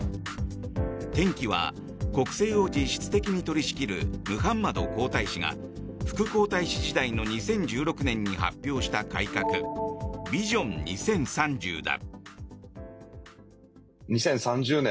転機は国政を実質的に取り仕切るムハンマド皇太子が副皇太子時代の２０１６年に発表した改革ビジョン２０３０だ。